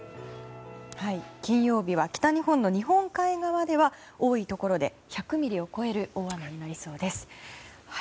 金曜日は北日本の日本海側は多いところで１００ミリを超える大雨になりそうです。